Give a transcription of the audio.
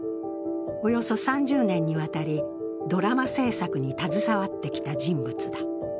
およそ３０年にわたりドラマ制作に携わってきた人物だ。